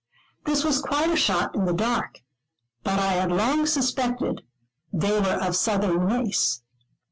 This was quite a shot in the dark. But I had long suspected that they were of Southern race.